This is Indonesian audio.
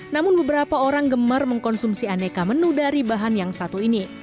namun beberapa orang gemar mengkonsumsi aneka menu dari bahan yang satu ini